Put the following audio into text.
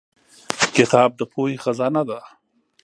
کتاب د پوهې خزانه ده.